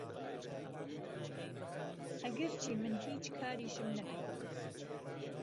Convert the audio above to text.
ئهگەرچی ئهمن هیچ کاریشم نهکردووه